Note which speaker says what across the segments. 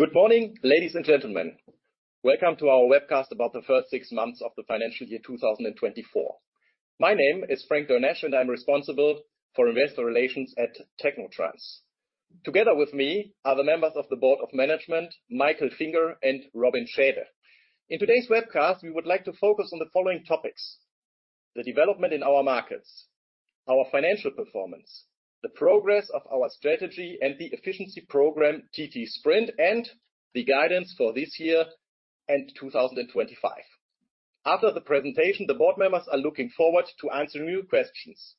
Speaker 1: Good morning, ladies and gentlemen. Welcome to our webcast about the first six months of the financial year, 2024. My name is Frank Dernesch, and I'm responsible for investor relations at technotrans. Together with me are the members of the board of management, Michael Finger and Robin Schaede. In today's webcast, we would like to focus on the following topics: the development in our markets, our financial performance, the progress of our strategy, and the efficiency program, tt-sprint, and the guidance for this year and 2025. After the presentation, the board members are looking forward to answering your questions.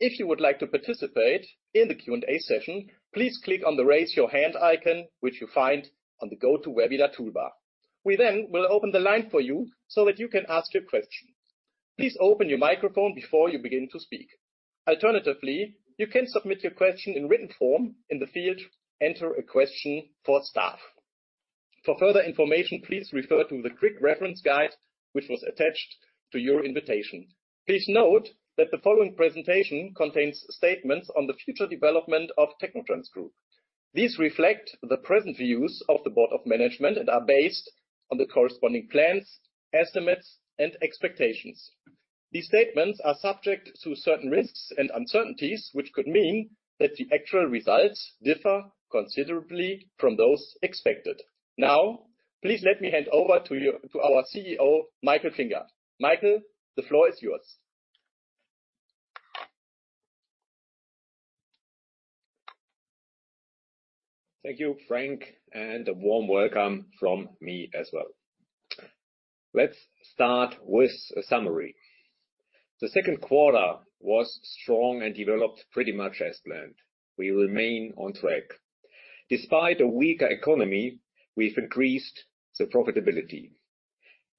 Speaker 1: If you would like to participate in the Q&A session, please click on the Raise Your Hand icon, which you find on the GoToWebinar toolbar. We then will open the line for you so that you can ask your question. Please open your microphone before you begin to speak. Alternatively, you can submit your question in written form in the field, Enter a Question for Staff. For further information, please refer to the quick reference guide, which was attached to your invitation. Please note that the following presentation contains statements on the future development of technotrans group. These reflect the present views of the board of management and are based on the corresponding plans, estimates, and expectations. These statements are subject to certain risks and uncertainties, which could mean that the actual results differ considerably from those expected. Now, please let me hand over to our CEO, Michael Finger. Michael, the floor is yours.
Speaker 2: Thank you, Frank, and a warm welcome from me as well. Let's start with a summary. The second quarter was strong and developed pretty much as planned. We remain on track. Despite a weaker economy, we've increased the profitability.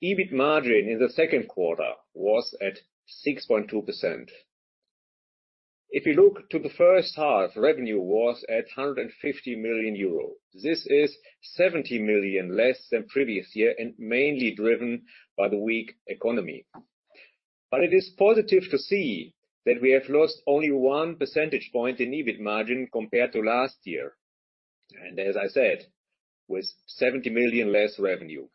Speaker 2: EBIT margin in the second quarter was at 6.2%. If you look to the first half, revenue was at 150 million euro. This is 70 million less than previous year and mainly driven by the weak economy. It is positive to see that we have lost only one percentage point in EBIT margin compared to last year, and as I said, with 70 million less revenue.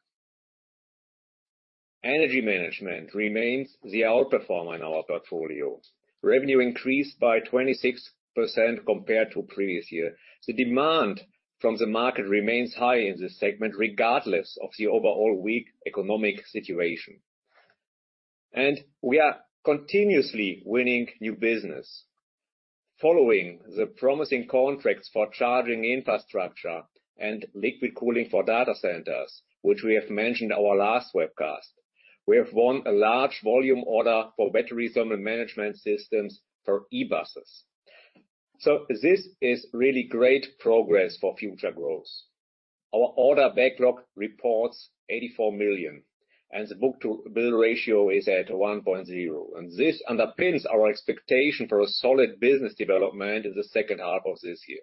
Speaker 2: Energy management remains the outperformer in our portfolio. Revenue increased by 26% compared to previous year. The demand from the market remains high in this segment, regardless of the overall weak economic situation, and we are continuously winning new business. Following the promising contracts for charging infrastructure and liquid cooling for data centers, which we have mentioned in our last webcast, we have won a large volume order for battery thermal management systems for e-buses. So this is really great progress for future growth. Our order backlog reports 84 million, and the book-to-bill ratio is at 1.0, and this underpins our expectation for a solid business development in the second half of this year.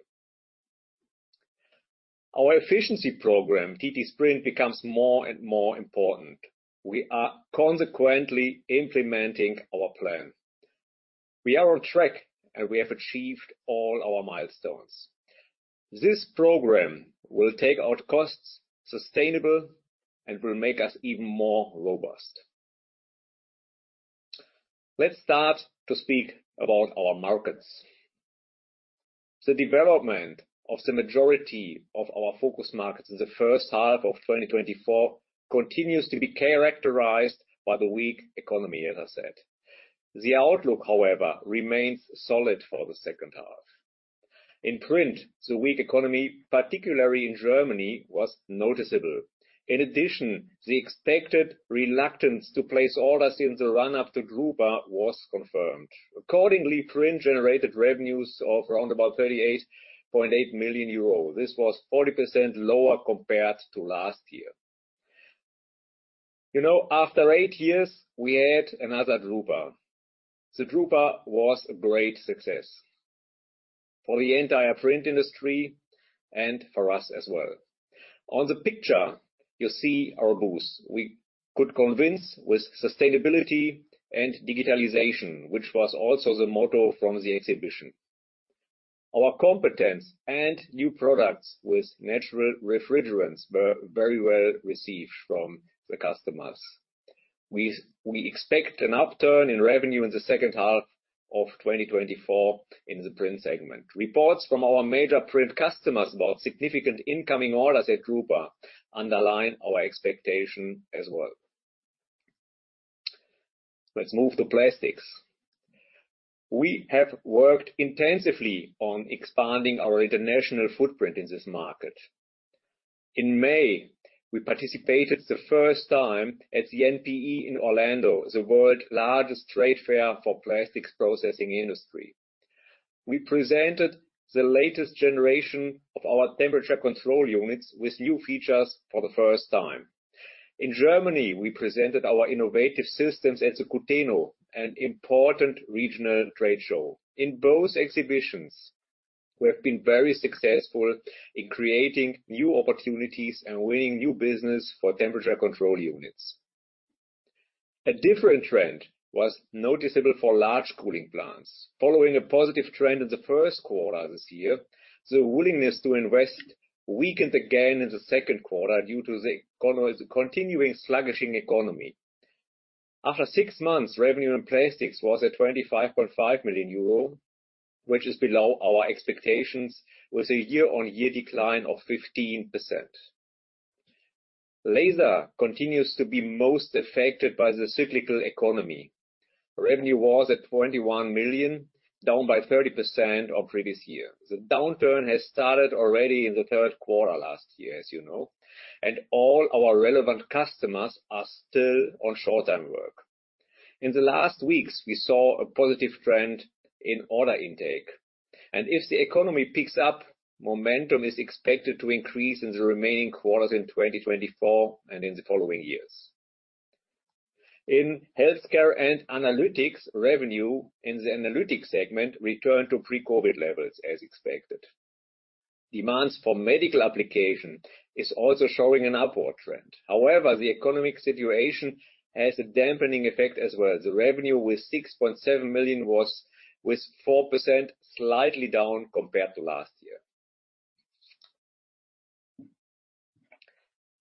Speaker 2: Our efficiency program, tt-sprint, becomes more and more important. We are consequently implementing our plan. We are on track, and we have achieved all our milestones. This program will take out costs sustainable and will make us even more robust. Let's start to speak about our markets. The development of the majority of our focus markets in the first half of 2024 continues to be characterized by the weak economy, as I said. The outlook, however, remains solid for the second half. In print, the weak economy, particularly in Germany, was noticeable. In addition, the expected reluctance to place orders in the run-up to drupa was confirmed. Accordingly, print generated revenues of around about 38.8 million euro. This was 40% lower compared to last year. You know, after 8 years, we had another drupa. The drupa was a great success for the entire print industry and for us as well. On the picture, you see our booth. We could convince with sustainability and digitalization, which was also the motto from the exhibition. Our competence and new products with natural refrigerants were very well received from the customers. We expect an upturn in revenue in the second half of 2024 in the print segment. Reports from our major print customers about significant incoming orders at drupa underline our expectation as well. Let's move to plastics. We have worked intensively on expanding our international footprint in this market. In May, we participated for the first time at the NPE in Orlando, the world's largest trade fair for plastics processing industry. We presented the latest generation of our temperature control units with new features for the first time. In Germany, we presented our innovative systems at the KUTENO, an important regional trade show. In both exhibitions, we have been very successful in creating new opportunities and winning new business for temperature control units. A different trend was noticeable for large cooling plants. Following a positive trend in the first quarter this year, the willingness to invest weakened again in the second quarter due to the continuing sluggish economy. After six months, revenue in plastics was at 25.5 million euro, which is below our expectations, with a year-on-year decline of 15%. Laser continues to be most affected by the cyclical economy. Revenue was at 21 million, down by 30% of previous year. The downturn has started already in the third quarter last year, as you know, and all our relevant customers are still on short-term work. In the last weeks, we saw a positive trend in order intake, and if the economy picks up, momentum is expected to increase in the remaining quarters in 2024 and in the following years. In healthcare and analytics, revenue in the analytics segment returned to pre-COVID levels, as expected. Demands for medical application is also showing an upward trend. However, the economic situation has a dampening effect as well. The revenue with 6.7 million was, with 4% slightly down compared to last year.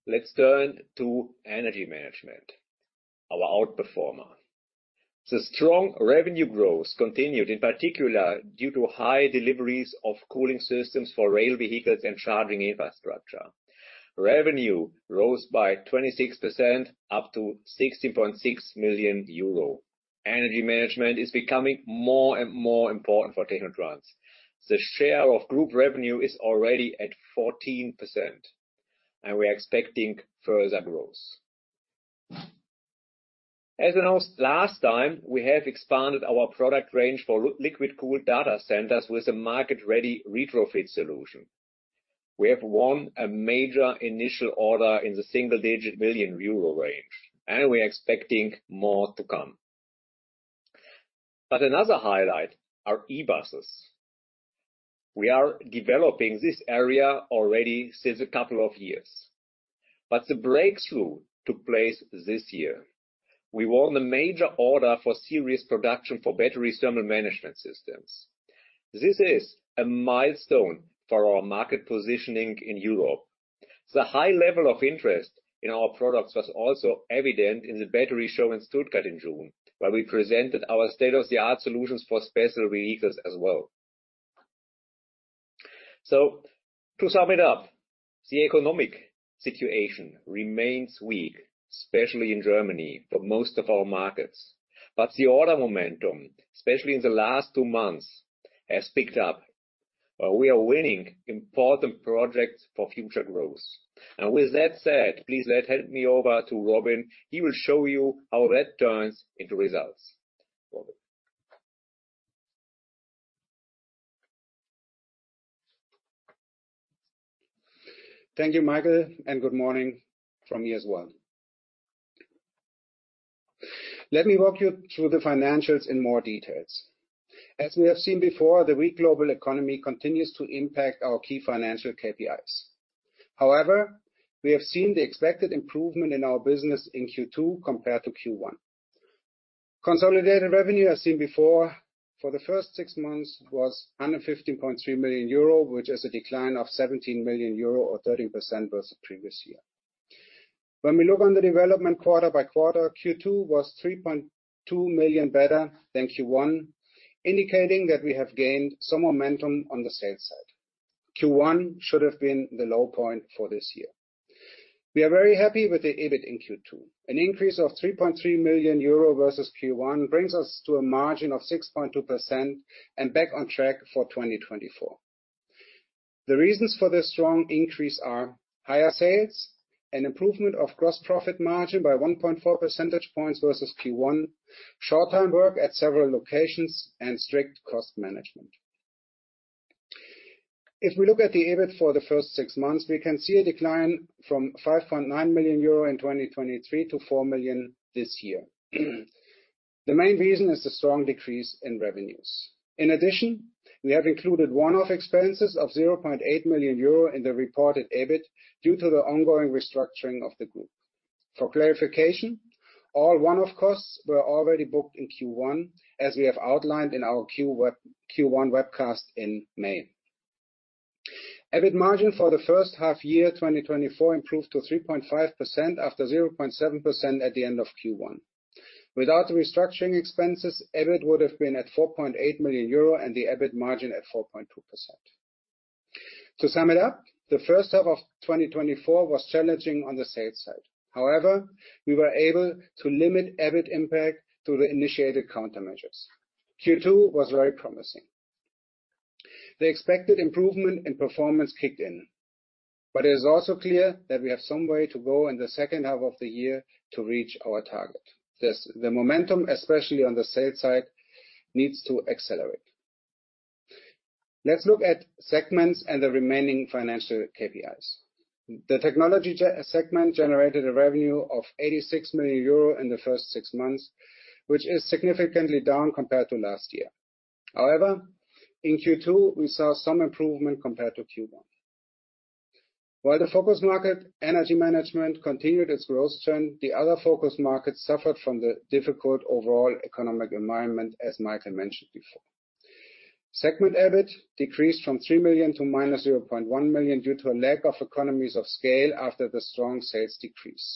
Speaker 2: Let's turn to energy management, our outperformer. The strong revenue growth continued, in particular, due to high deliveries of cooling systems for rail vehicles and charging infrastructure. Revenue rose by 26%, up to 16.6 million euro. Energy management is becoming more and more important for technotrans. The share of group revenue is already at 14%, and we're expecting further growth. As announced last time, we have expanded our product range for liquid-cooled data centers with a market-ready retrofit solution. We have won a major initial order in the single-digit million EUR range, and we're expecting more to come. But another highlight are e-buses. We are developing this area already since a couple of years, but the breakthrough took place this year. We won a major order for series production for battery thermal management systems. This is a milestone for our market positioning in Europe. The high level of interest in our products was also evident in the Battery Show in Stuttgart in June, where we presented our state-of-the-art solutions for special vehicles as well. So to sum it up, the economic situation remains weak, especially in Germany, for most of our markets, but the order momentum, especially in the last two months, has picked up. We are winning important projects for future growth. And with that said, please let me hand over to Robin. He will show you how that turns into results. Robin?
Speaker 3: Thank you, Michael, and good morning from me as well. Let me walk you through the financials in more details. As we have seen before, the weak global economy continues to impact our key financial KPIs. However, we have seen the expected improvement in our business in Q2 compared to Q1. Consolidated revenue, as seen before, for the first six months was under 15.3 million euro, which is a decline of 17 million euro or 13% versus the previous year. When we look on the development quarter by quarter, Q2 was 3.2 million better than Q1, indicating that we have gained some momentum on the sales side. Q1 should have been the low point for this year. We are very happy with the EBIT in Q2. An increase of 3.3 million euro versus Q1 brings us to a margin of 6.2% and back on track for 2024. The reasons for this strong increase are higher sales, an improvement of gross profit margin by 1.4 percentage points versus Q1, short-term work at several locations, and strict cost management. If we look at the EBIT for the first six months, we can see a decline from 5.9 million euro in 2023 to 4 million this year. The main reason is the strong decrease in revenues. In addition, we have included one-off expenses of 0.8 million euro in the reported EBIT due to the ongoing restructuring of the group. For clarification, all one-off costs were already booked in Q1, as we have outlined in our Q1 webcast in May. EBIT margin for the first half year, 2024, improved to 3.5% after 0.7% at the end of Q1. Without the restructuring expenses, EBIT would have been at 4.8 million euro, and the EBIT margin at 4.2%. To sum it up, the first half of 2024 was challenging on the sales side. However, we were able to limit EBIT impact through the initiated countermeasures. Q2 was very promising. The expected improvement in performance kicked in, but it is also clear that we have some way to go in the second half of the year to reach our target. This, the momentum, especially on the sales side, needs to accelerate. Let's look at segments and the remaining financial KPIs. The technology segment generated a revenue of 86 million euro in the first six months, which is significantly down compared to last year. However, in Q2, we saw some improvement compared to Q1. While the focus market, energy management, continued its growth trend, the other focus markets suffered from the difficult overall economic environment, as Michael mentioned before. Segment EBIT decreased from 3 million to -0.1 million due to a lack of economies of scale after the strong sales decrease.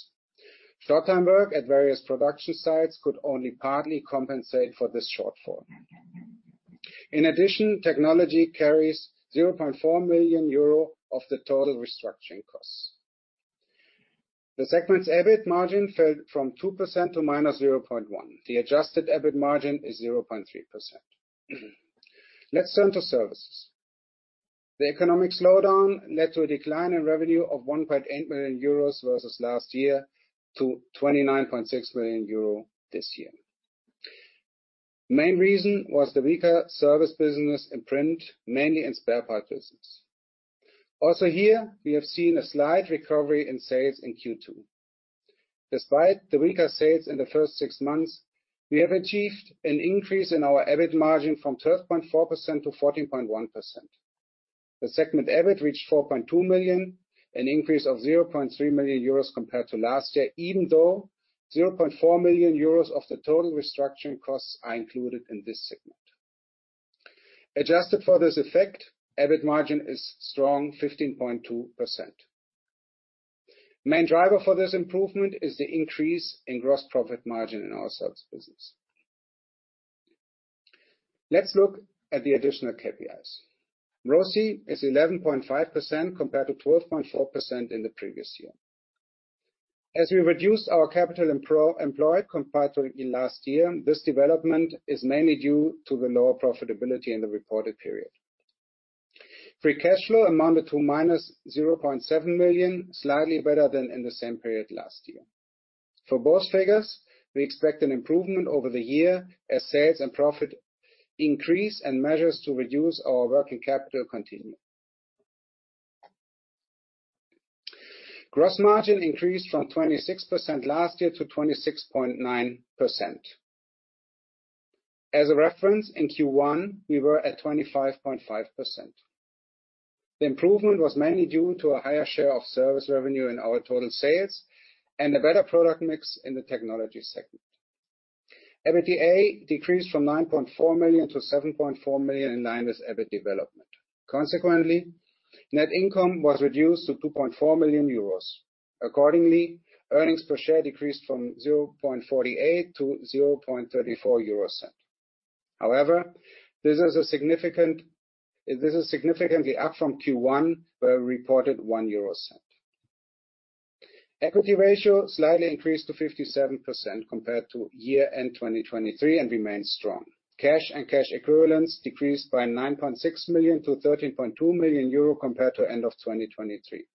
Speaker 3: Short-term work at various production sites could only partly compensate for this shortfall. In addition, technology carries 0.4 million euro of the total restructuring costs. The segment's EBIT margin fell from 2% to -0.1%. The adjusted EBIT margin is 0.3%. Let's turn to services. The economic slowdown led to a decline in revenue of 1.8 million euros versus last year, to 29.6 million euro this year. Main reason was the weaker service business in print, mainly in spare part business. Also here, we have seen a slight recovery in sales in Q2. Despite the weaker sales in the first six months, we have achieved an increase in our EBIT margin from 12.4% to 14.1%. The segment EBIT reached 4.2 million, an increase of 0.3 million euros compared to last year, even though 0.4 million euros of the total restructuring costs are included in this segment. Adjusted for this effect, EBIT margin is strong 15.2%. Main driver for this improvement is the increase in gross profit margin in our sales business. Let's look at the additional KPIs. ROCE is 11.5%, compared to 12.4% in the previous year. As we reduced our capital employed compared to last year, this development is mainly due to the lower profitability in the reported period. Free cash flow amounted to -0.7 million, slightly better than in the same period last year. For both figures, we expect an improvement over the year as sales and profit increase, and measures to reduce our working capital continue. Gross margin increased from 26% last year to 26.9%. As a reference, in Q1, we were at 25.5%. The improvement was mainly due to a higher share of service revenue in our total sales, and a better product mix in the technology segment. EBITDA decreased from 9.4 million to 7.4 million in line with EBIT development. Consequently, net income was reduced to 2.4 million euros. Accordingly, earnings per share decreased from 0.48 to 0.34 Euro. However, this is significantly up from Q1, where we reported 1 Euro. Equity ratio slightly increased to 57% compared to year-end in 2023, and remains strong. Cash and cash equivalents decreased by 9.6 million to 13.2 million euro, compared to end of 2023.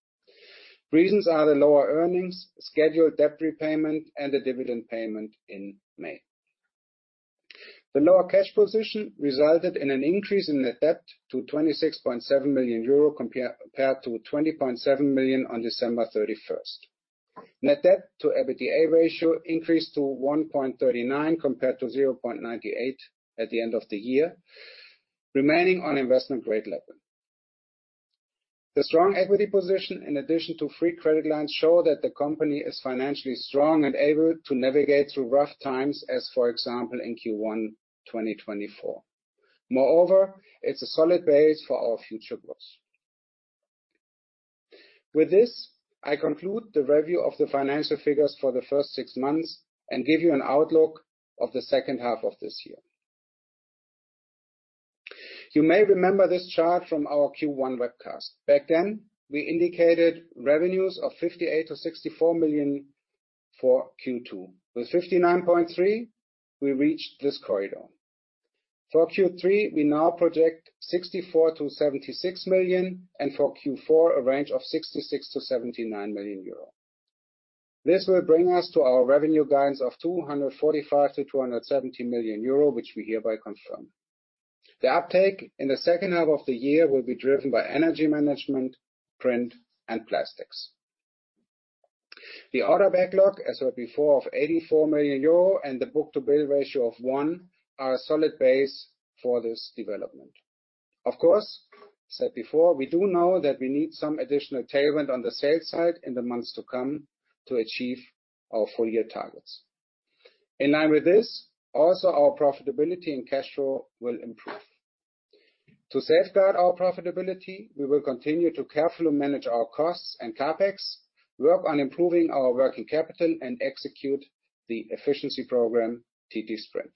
Speaker 3: Reasons are the lower earnings, scheduled debt repayment, and the dividend payment in May. The lower cash position resulted in an increase in net debt to 26.7 million euro, compared to 20.7 million on December 31. Net debt to EBITDA ratio increased to 1.39, compared to 0.98 at the end of the year, remaining on investment grade level. The strong equity position, in addition to free credit lines, show that the company is financially strong and able to navigate through rough times, as, for example, in Q1 2024. Moreover, it's a solid base for our future growth. With this, I conclude the review of the financial figures for the first six months, and give you an outlook of the second half of this year. You may remember this chart from our Q1 webcast. Back then, we indicated revenues of 58-64 million for Q2. With 59.3, we reached this corridor. For Q3, we now project 64-76 million, and for Q4, a range of 66-79 million euro. This will bring us to our revenue guidance of 245 million-270 million euro, which we hereby confirm. The uptake in the second half of the year will be driven by energy management, print, and plastics. The order backlog, as said before, of 84 million euro, and the book-to-bill ratio of 1, are a solid base for this development. Of course, said before, we do know that we need some additional tailwind on the sales side in the months to come to achieve our full year targets. In line with this, also our profitability and cash flow will improve. To safeguard our profitability, we will continue to carefully manage our costs and CapEx, work on improving our working capital, and execute the efficiency program, tt-sprint.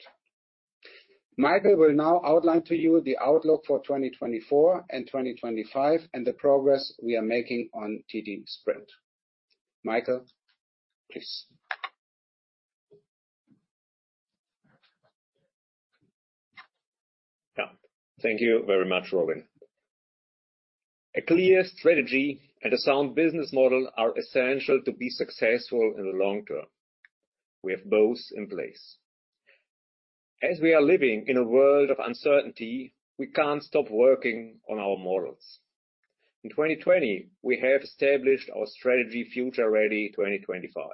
Speaker 3: Michael will now outline to you the outlook for 2024 and 2025, and the progress we are making on tt-sprint. Michael, please.
Speaker 2: Yeah. Thank you very much, Robin. A clear strategy and a sound business model are essential to be successful in the long term. We have both in place. As we are living in a world of uncertainty, we can't stop working on our models. In 2020, we have established our strategy, Future Ready 2025.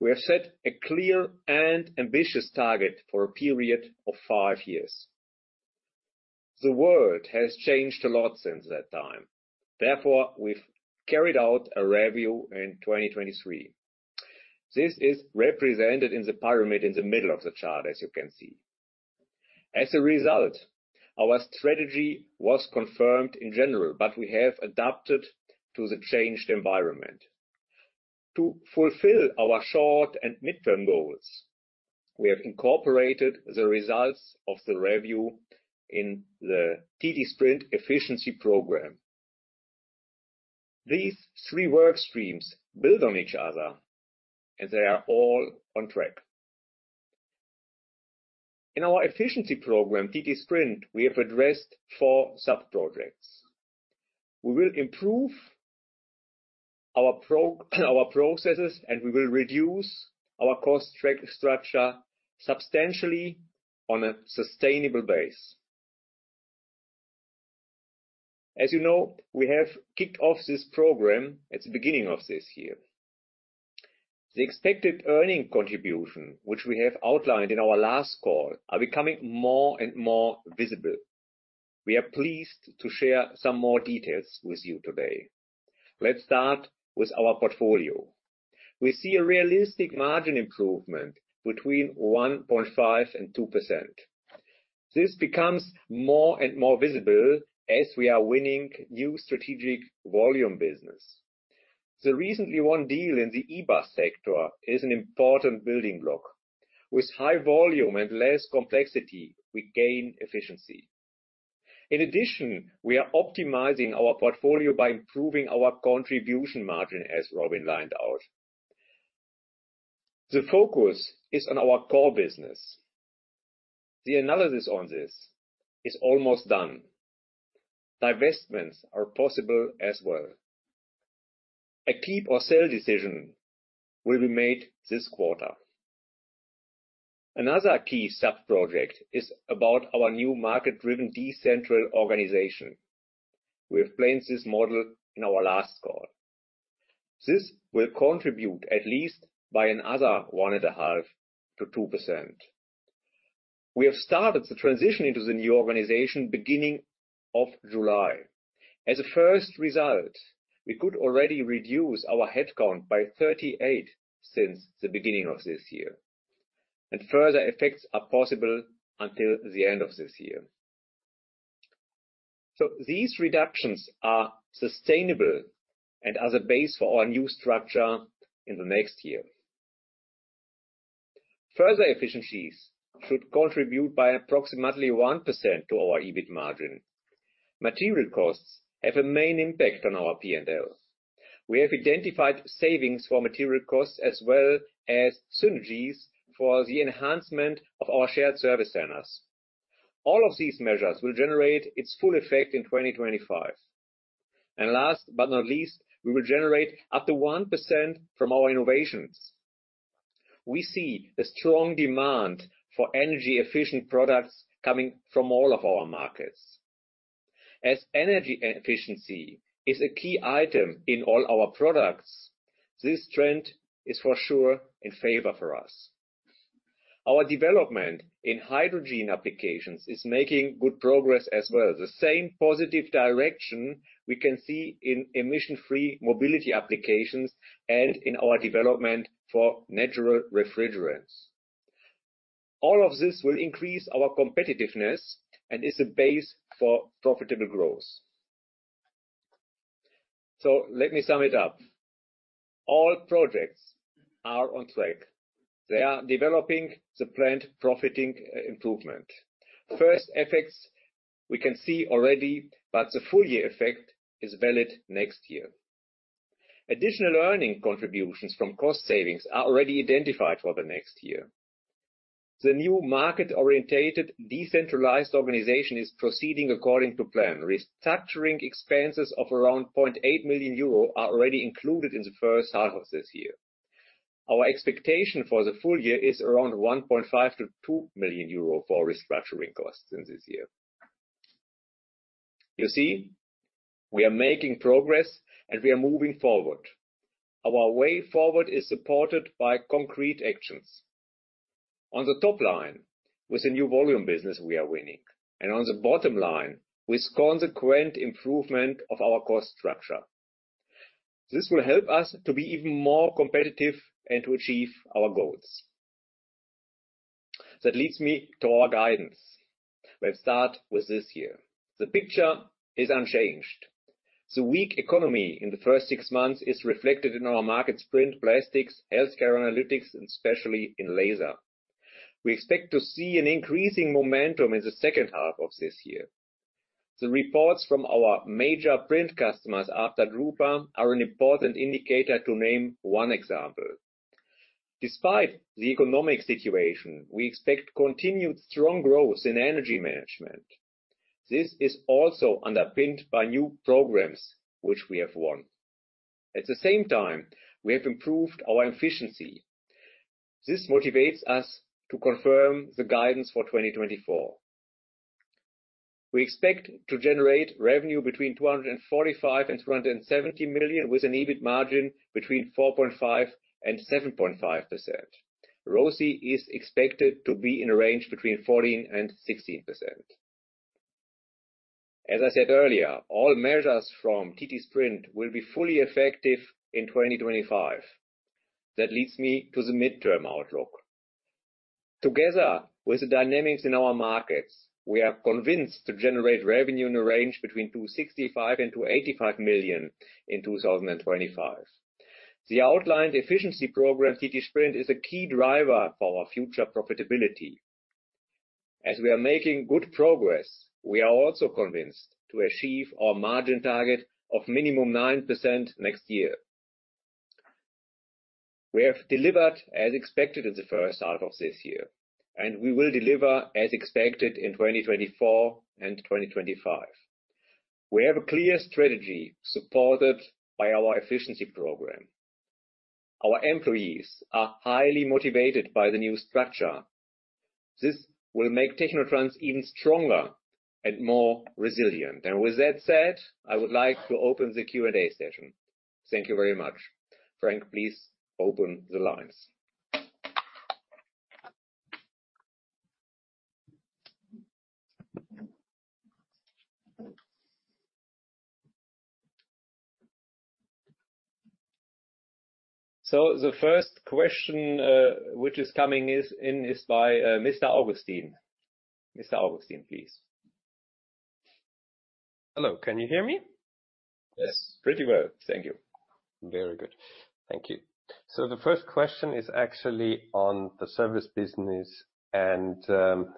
Speaker 2: We have set a clear and ambitious target for a period of five years. The world has changed a lot since that time. Therefore, we've carried out a review in 2023. This is represented in the pyramid in the middle of the chart, as you can see. As a result, our strategy was confirmed in general, but we have adapted to the changed environment. To fulfill our short and midterm goals, we have incorporated the results of the review in the tt-sprint efficiency program. These three work streams build on each other, and they are all on track. In our efficiency program, tt-sprint, we have addressed 4 sub-projects. We will improve our our processes, and we will reduce our cost structure substantially on a sustainable base. As you know, we have kicked off this program at the beginning of this year. The expected earnings contribution, which we have outlined in our last call, are becoming more and more visible. We are pleased to share some more details with you today. Let's start with our portfolio. We see a realistic margin improvement between 1.5% and 2%. This becomes more and more visible as we are winning new strategic volume business. The recently won deal in the eBus sector is an important building block. With high volume and less complexity, we gain efficiency. In addition, we are optimizing our portfolio by improving our contribution margin, as Robin laid out. The focus is on our core business. The analysis on this is almost done. Divestments are possible as well. A keep or sell decision will be made this quarter. Another key sub-project is about our new market-driven, decentralized organization. We explained this model in our last call. This will contribute at least by another 1.5%-2%. We have started the transition into the new organization beginning of July. As a first result, we could already reduce our headcount by 38 since the beginning of this year, and further effects are possible until the end of this year. So these reductions are sustainable and as a base for our new structure in the next year. Further efficiencies should contribute by approximately 1% to our EBIT margin. Material costs have a main impact on our P&L. We have identified savings for material costs as well as synergies for the enhancement of our shared service centers. All of these measures will generate its full effect in 2025. And last but not least, we will generate up to 1% from our innovations. We see a strong demand for energy-efficient products coming from all of our markets. As energy efficiency is a key item in all our products, this trend is for sure in favor for us. Our development in hydrogen applications is making good progress as well. The same positive direction we can see in emission-free mobility applications and in our development for natural refrigerants. All of this will increase our competitiveness and is a base for profitable growth. So let me sum it up. All projects are on track. They are developing the planned profit improvement. First effects we can see already, but the full year effect is valid next year. Additional earning contributions from cost savings are already identified for the next year. The new market-oriented, decentralized organization is proceeding according to plan. Restructuring expenses of around 0.8 million euro are already included in the first half of this year. Our expectation for the full year is around 1.5 million-2 million euro for restructuring costs in this year. You see, we are making progress, and we are moving forward. Our way forward is supported by concrete actions. On the top line, with the new volume business we are winning, and on the bottom line, with consequent improvement of our cost structure. This will help us to be even more competitive and to achieve our goals. That leads me to our guidance. Let's start with this year. The picture is unchanged. The weak economy in the first six months is reflected in our markets: print, plastics, healthcare, analytics, and especially in laser. We expect to see an increasing momentum in the second half of this year. The reports from our major print customers after Drupa are an important indicator, to name one example. Despite the economic situation, we expect continued strong growth in energy management. This is also underpinned by new programs which we have won. At the same time, we have improved our efficiency. This motivates us to confirm the guidance for 2024. We expect to generate revenue between 245 million and 270 million, with an EBIT margin between 4.5% and 7.5%. ROCE is expected to be in a range between 14% and 16%. As I said earlier, all measures from tt-sprint will be fully effective in 2025. That leads me to the midterm outlook. Together with the dynamics in our markets, we are convinced to generate revenue in a range between 265 million and 285 million in 2025. The outlined efficiency program, tt-sprint, is a key driver for our future profitability. As we are making good progress, we are also convinced to achieve our margin target of minimum 9% next year. We have delivered as expected in the first half of this year, and we will deliver as expected in 2024 and 2025. We have a clear strategy supported by our efficiency program. Our employees are highly motivated by the new structure. This will make technotrans even stronger and more resilient. With that said, I would like to open the Q&A session. Thank you very much. Frank, please open the lines.
Speaker 1: The first question, which is coming in, is by Mr. Augustin. Mr. Augustin, please.
Speaker 4: Hello, can you hear me?
Speaker 2: Yes, pretty well. Thank you.
Speaker 4: Very good. Thank you. So the first question is actually on the service business and,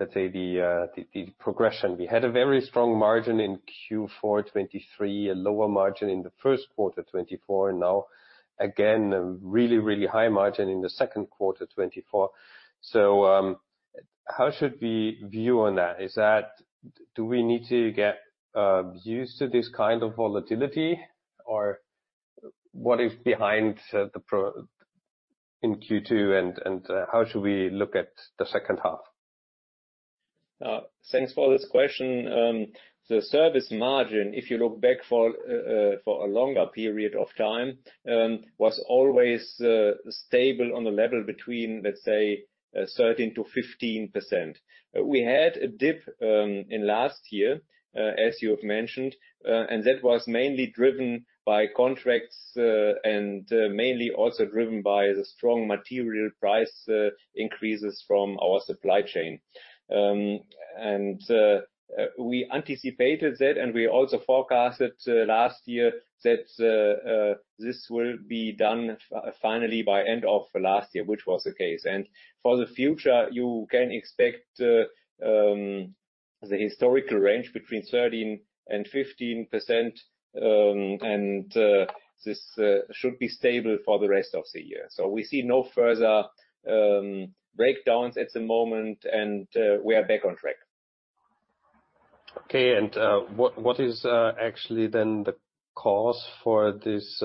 Speaker 4: let's say, the progression. We had a very strong margin in Q4 2023, a lower margin in the first quarter 2024, and now again, a really, really high margin in the second quarter 2024. So, how should we view on that? Is that? Do we need to get used to this kind of volatility, or what is behind the profit in Q2, and how should we look at the second half?
Speaker 2: Thanks for this question. The service margin, if you look back for a longer period of time, was always stable on the level between, let's say, 13%-15%. We had a dip in last year, as you have mentioned, and that was mainly driven by contracts and mainly also driven by the strong material price increases from our supply chain. And we anticipated that, and we also forecasted last year that this will be done finally by end of last year, which was the case. And for the future, you can expect the historical range between 13% and 15%, and this should be stable for the rest of the year. So we see no further breakdowns at the moment, and we are back on track.
Speaker 4: Okay, and what is actually then the cause for this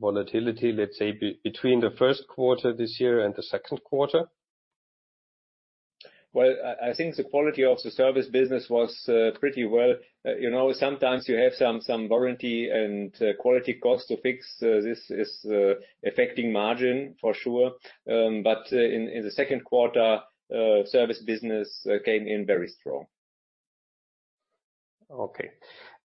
Speaker 4: volatility, let's say, between the first quarter this year and the second quarter?
Speaker 2: Well, I think the quality of the service business was pretty well. You know, sometimes you have some warranty and quality costs to fix. This is affecting margin, for sure. But in the second quarter, service business came in very strong.
Speaker 4: Okay.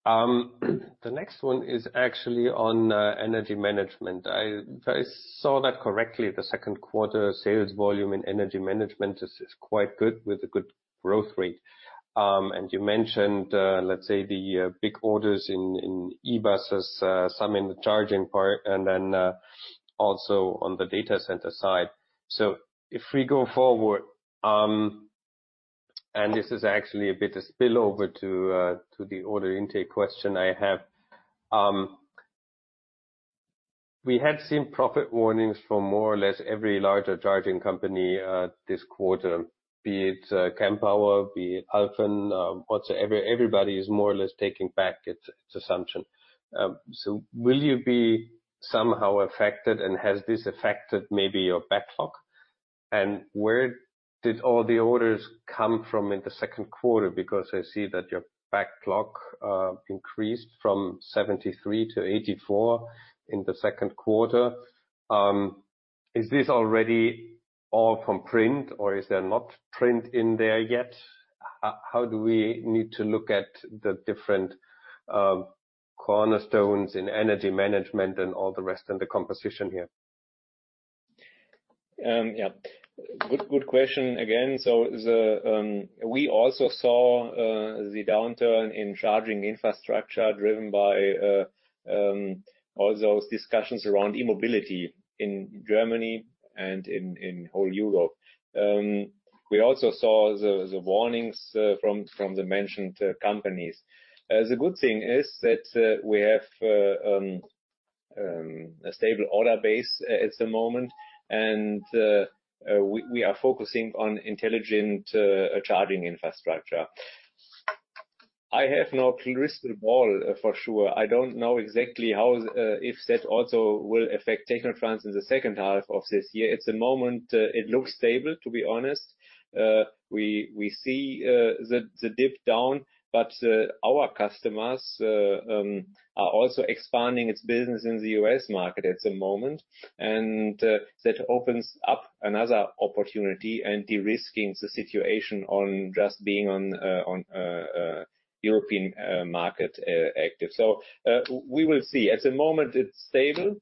Speaker 4: The next one is actually on energy management. If I saw that correctly, the second quarter sales volume in energy management is quite good, with a good growth rate. And you mentioned, let's say, the big orders in e-buses, some in the charging part, and then also on the data center side. So if we go forward, and this is actually a bit of spillover to the order intake question I have. We had seen profit warnings from more or less every larger charging company this quarter, be it Kempower, be it Alfen, whatsoever. Everybody is more or less taking back its assumption. So will you be somehow affected, and has this affected maybe your backlog? And where did all the orders come from in the second quarter? Because I see that your backlog increased from 73 to 84 in the second quarter. Is this already all from print, or is there not print in there yet? How do we need to look at the different cornerstones in energy management and all the rest and the composition here?
Speaker 2: Yeah. Good, good question again. So we also saw the downturn in charging infrastructure driven by all those discussions around e-mobility in Germany and in whole Europe. We also saw the warnings from the mentioned companies. The good thing is that we have a stable order base at the moment, and we are focusing on intelligent charging infrastructure. I have no crystal ball, for sure. I don't know exactly how if that also will affect technotrans in the second half of this year. At the moment, it looks stable, to be honest. We see the dip down, but our customers are also expanding its business in the US market at the moment, and that opens up another opportunity and de-risking the situation on just being on European market active. So we will see. At the moment, it's stable.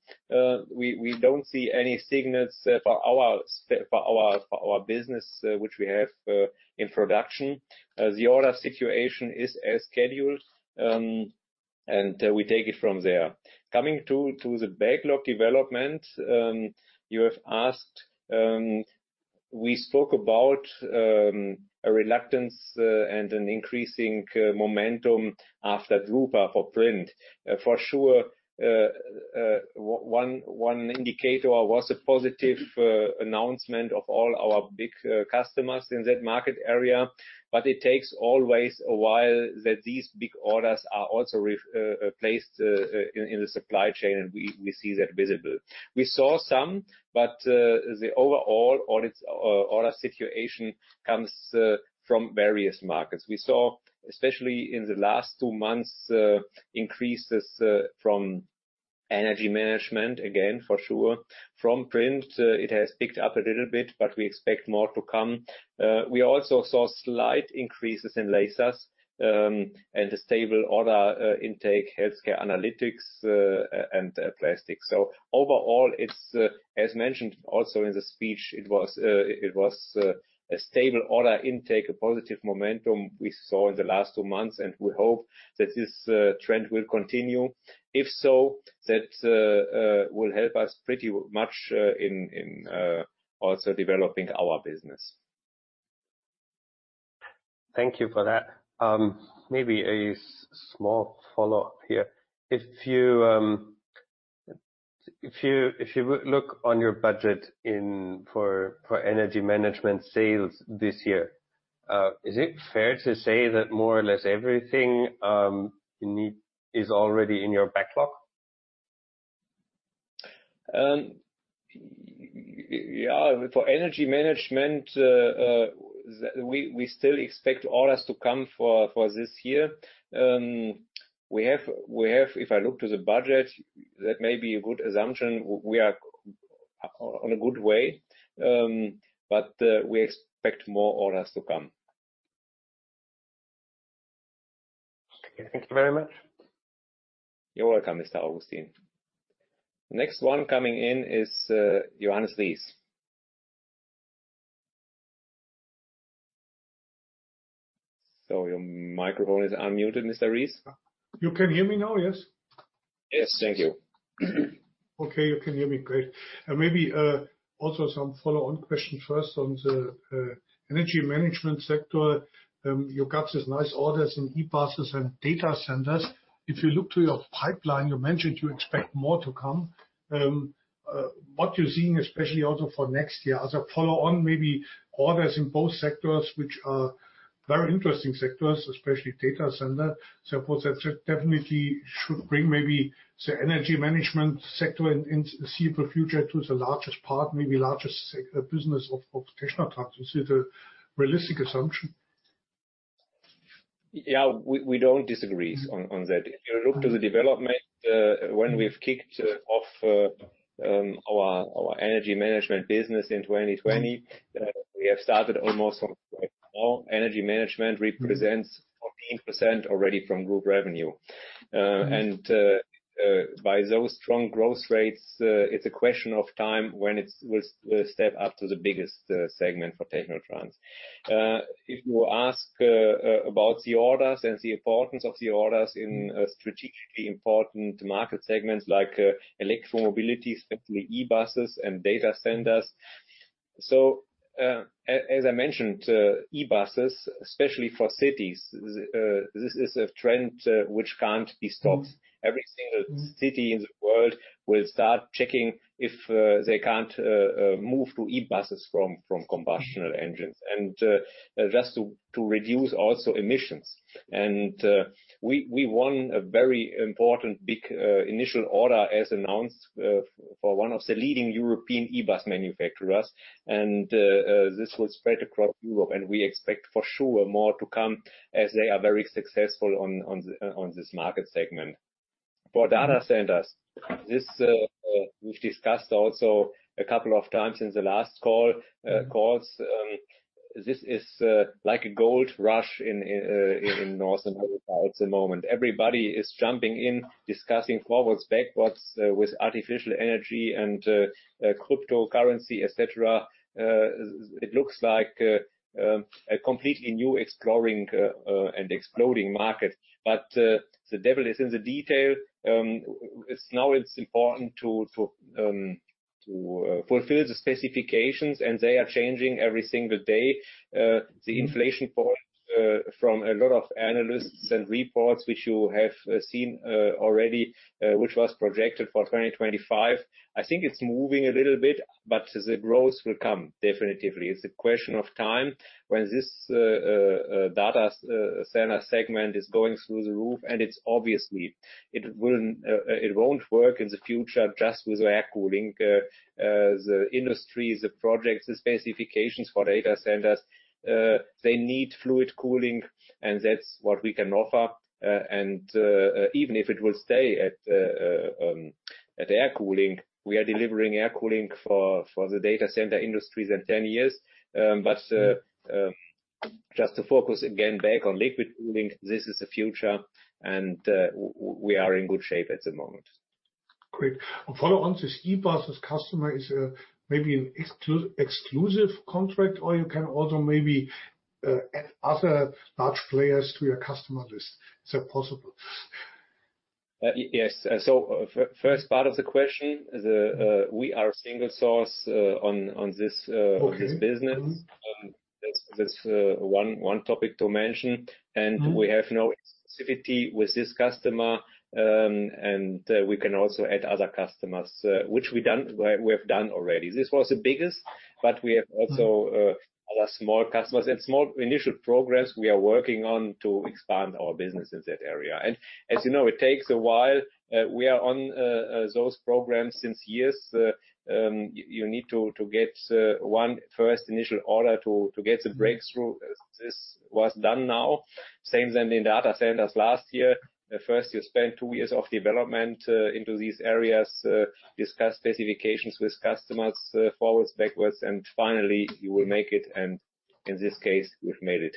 Speaker 2: We don't see any signals for our business which we have in production. The order situation is as scheduled, and we take it from there. Coming to the backlog development, you have asked, we spoke about a reluctance and an increasing momentum after Drupa for print. For sure, one indicator was a positive announcement of all our big customers in that market area, but it takes always a while that these big orders are also replaced in the supply chain, and we see that visible. We saw some, but the overall order situation comes from various markets. We saw, especially in the last two months, increases from energy management, again, for sure. From print, it has picked up a little bit, but we expect more to come. We also saw slight increases in lasers, and a stable order intake, healthcare analytics, and plastics. So overall, it's, as mentioned also in the speech, it was a stable order intake, a positive momentum we saw in the last two months, and we hope that this trend will continue. If so, that will help us pretty much in also developing our business.
Speaker 4: Thank you for that. Maybe a small follow-up here. If you look on your budget in for energy management sales this year, is it fair to say that more or less everything you need is already in your backlog?
Speaker 2: Yeah, for energy management, we still expect orders to come for this year. We have, if I look to the budget, that may be a good assumption. We are on a good way, but we expect more orders to come.
Speaker 4: Thank you very much.
Speaker 2: You're welcome, Mr. Augustin. Next one coming in is, Johannes Ries. So your microphone is unmuted, Mr. Ries.
Speaker 5: You can hear me now, yes?
Speaker 2: Yes, thank you.
Speaker 5: Okay, you can hear me great. Maybe also some follow-on question first on the energy management sector. You got these nice orders in e-buses and data centers. If you look to your pipeline, you mentioned you expect more to come. What you're seeing, especially also for next year, as a follow-on, maybe orders in both sectors, which are very interesting sectors, especially data center. So of course, that definitely should bring maybe the energy management sector in the foreseeable future to the largest part, maybe largest sec- business of technotrans. Is it a realistic assumption?
Speaker 2: Yeah, we don't disagree on that. If you look to the development, when we've kicked off our energy management business in 2020, we have started almost from energy management represents 14% already from group revenue. And, by those strong growth rates, it's a question of time when it will step up to the biggest segment for technotrans. If you ask about the orders and the importance of the orders in strategically important market segments like electromobility, especially e-buses and data centers. So, as I mentioned, e-buses, especially for cities, this is a trend which can't be stopped. Every single city in the world will start checking if they can't move to e-buses from combustion engines, and just to reduce also emissions. We won a very important big initial order, as announced, for one of the leading European e-bus manufacturers, and this will spread across Europe, and we expect for sure more to come, as they are very successful on this market segment. For data centers, this we've discussed also a couple of times in the last calls. This is like a gold rush in North America at the moment. Everybody is jumping in, discussing forwards, backwards with artificial intelligence and cryptocurrency, et cetera. It looks like a completely new emerging and exploding market, but the devil is in the details. It's now important to fulfill the specifications, and they are changing every single day. The information from a lot of analysts and reports, which you have seen already, which was projected for 2025. I think it's moving a little bit, but the growth will come, definitely. It's a question of time when this data center segment is going through the roof, and it's obvious. It won't work in the future just with air cooling. The industry, the projects, the specifications for data centers, they need fluid cooling, and that's what we can offer. Even if it will stay at air cooling, we are delivering air cooling for the data center industries in 10 years. But just to focus again back on liquid cooling, this is the future, and we are in good shape at the moment.
Speaker 5: Great. A follow on this, e-bus, this customer is, maybe an exclusive contract, or you can also maybe, add other large players to your customer list. Is that possible?
Speaker 2: Yes. So first part of the question, we are single source, on, on this,
Speaker 5: Okay.
Speaker 2: on this business.
Speaker 5: Mm-hmm.
Speaker 2: That's one topic to mention.
Speaker 5: Mm-hmm.
Speaker 2: We have no exclusivity with this customer, and we can also add other customers, which we have done already. This was the biggest, but we have also,
Speaker 5: Mm-hmm.
Speaker 2: other small customers. And small initial progress we are working on to expand our business in that area. And as you know, it takes a while. We are on those programs since years. You need to get one first initial order to get the breakthrough.
Speaker 5: Mm-hmm.
Speaker 2: This was done now, same than in data centers last year. At first, you spend two years of development into these areas, discuss specifications with customers, forwards, backwards, and finally, you will make it, and in this case, we've made it.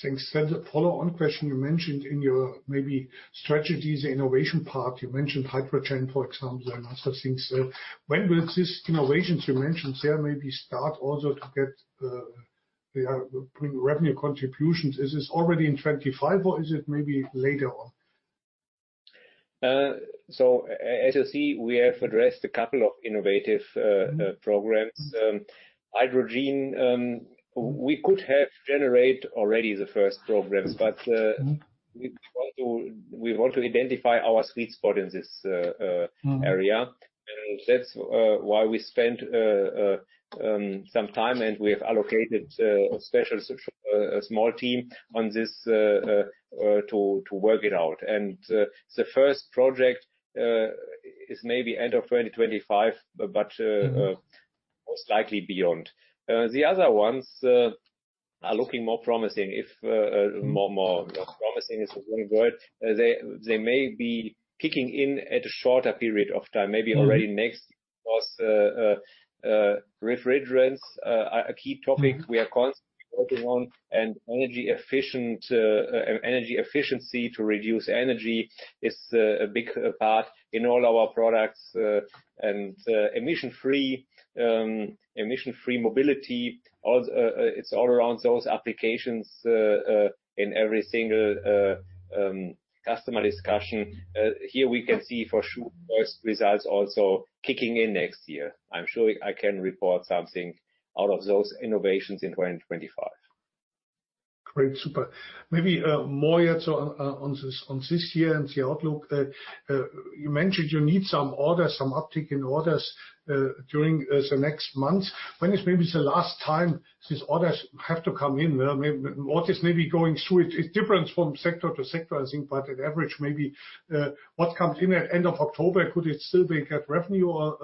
Speaker 5: Thanks. Then the follow-on question, you mentioned in your maybe strategies innovation part, you mentioned hydrogen, for example, and other things. When will this innovations you mentioned there maybe start also to get, the, bring revenue contributions? Is this already in 2025, or is it maybe later on?
Speaker 2: So as you see, we have addressed a couple of innovative,
Speaker 5: Mm-hmm.
Speaker 2: programs. Hydrogen, we could have generate already the first programs, but,
Speaker 5: Mm-hmm.
Speaker 2: we want to, we want to identify our sweet spot in this
Speaker 5: Mm-hmm.
Speaker 2: area. That's why we spent some time, and we have allocated a special small team on this to work it out. And the first project is maybe end of 2025, but
Speaker 5: Mm-hmm.
Speaker 2: most likely beyond. The other ones are looking more promising if,
Speaker 5: Mm-hmm.
Speaker 2: more, more promising is one word. They, they may be kicking in at a shorter period of time, maybe already next.
Speaker 5: Mm-hmm.
Speaker 2: Because refrigerants are a key topic-
Speaker 5: Mm-hmm.
Speaker 2: we are constantly working on, and energy efficient energy efficiency to reduce energy is a big part in all our products. And emission-free, emission-free mobility, all, it's all around those applications in every single customer discussion. Here, we can see for sure first results also kicking in next year. I'm sure I can report something out of those innovations in 2025.
Speaker 5: Great. Super. Maybe more yet on this year and the outlook. You mentioned you need some orders, some uptick in orders during the next months. When is maybe the last time these orders have to come in? Well, what is maybe going through it, it difference from sector to sector, I think, but on average, maybe what comes in at end of October, could it still be get revenue or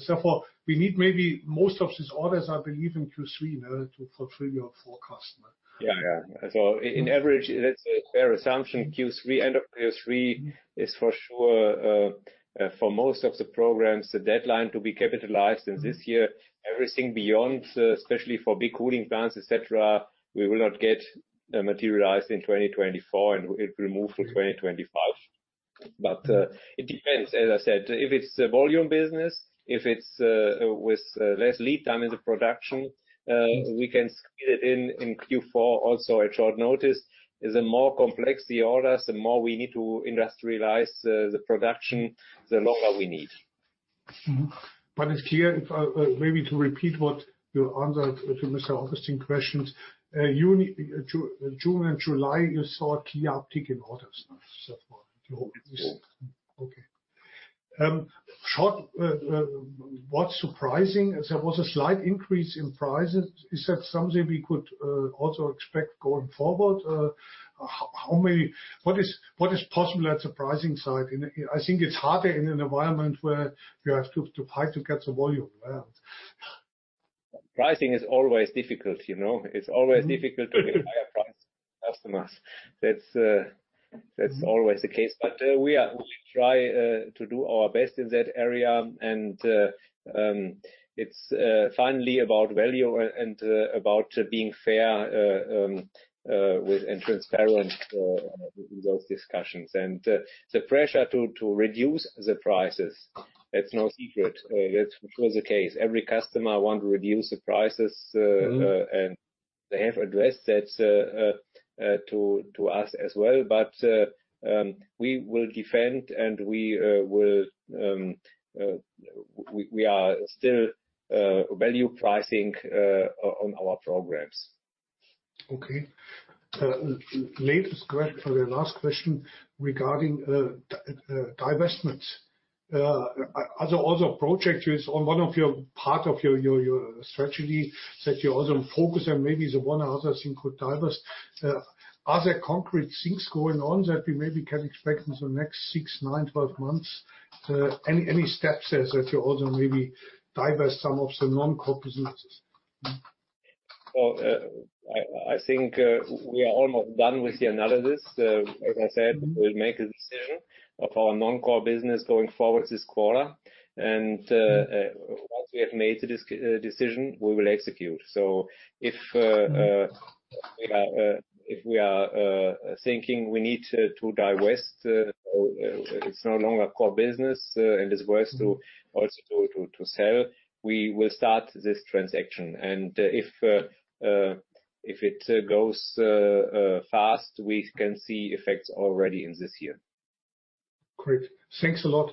Speaker 5: so far? We need maybe most of these orders, I believe, in Q3, no, to fulfill your forecast, no?
Speaker 2: Yeah, yeah. So, on average, that's a fair assumption.
Speaker 5: Mm-hmm.
Speaker 2: Q3, end of Q3-
Speaker 5: Mm-hmm.
Speaker 2: is for sure, for most of the programs, the deadline to be capitalized in this year.
Speaker 5: Mm-hmm.
Speaker 2: Everything beyond, especially for big cooling plants, et cetera, we will not get materialized in 2024, and it will move to 2025. But it depends. As I said, if it's a volume business, if it's with less lead time in the production-
Speaker 5: Mm-hmm.
Speaker 2: we can get it in Q4, also on short notice. The more complex the orders, the more we need to industrialize the production, the longer we need.
Speaker 5: Mm-hmm. But it's clear, if I maybe to repeat what you answered to Mr. Augustin's questions, June and July, you saw a key uptick in orders so far.
Speaker 2: Mm-hmm.
Speaker 5: Okay. Short, what's surprising, there was a slight increase in prices. Is that something we could also expect going forward? What is, what is possible at the pricing side? And I think it's harder in an environment where you have to fight to get the volume, yeah.
Speaker 2: Pricing is always difficult, you know?
Speaker 5: Mm-hmm.
Speaker 2: It's always difficult to give higher price to customers. That's, that's always the case. But we try to do our best in that area, and it's finally about value and about being fair with and transparent in those discussions. And the pressure to reduce the prices, that's no secret. That was the case. Every customer want to reduce the prices-
Speaker 5: Mm-hmm.
Speaker 2: and they have addressed that to us as well, but we will defend, and we are still value pricing on our programs.
Speaker 5: Okay. Late is great for the last question regarding divestment. Are the other projects one of your part of your strategy that you also focus on? Maybe the one other thing could divest. Are there concrete things going on that we maybe can expect in the next six, nine, 12 months? Any steps that you also maybe divest some of the non-core businesses?
Speaker 2: Well, I think we are almost done with the analysis. Like I said, we'll make a decision of our non-core business going forward this quarter. And once we have made the decision, we will execute. So if we are thinking we need to divest, it's no longer core business, and it's worth to sell, we will start this transaction. And if it goes fast, we can see effects already in this year.
Speaker 5: Great. Thanks a lot.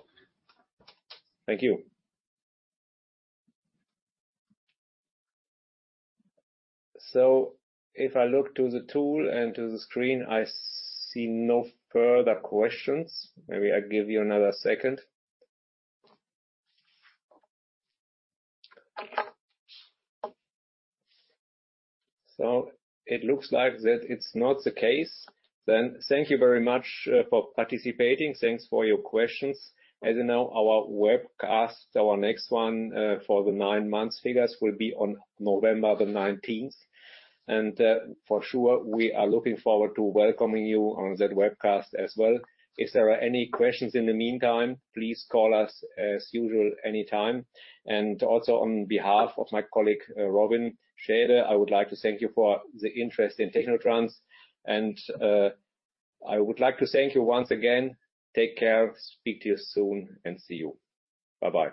Speaker 2: Thank you. So if I look to the tool and to the screen, I see no further questions. Maybe I give you another second. So it looks like that it's not the case. Then, thank you very much for participating. Thanks for your questions. As you know, our webcast, our next one for the nine months figures, will be on November the nineteenth. And for sure, we are looking forward to welcoming you on that webcast as well. If there are any questions in the meantime, please call us, as usual, anytime. And also, on behalf of my colleague Robin Schaede, I would like to thank you for the interest in technotrans. And I would like to thank you once again. Take care, speak to you soon, and see you. Bye-bye.